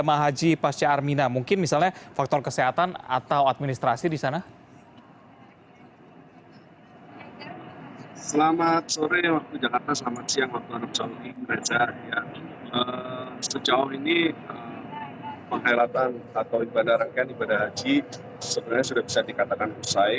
sejauh ini pengkhairatan atau ibadah rangkaian ibadah haji sebenarnya sudah bisa dikatakan usai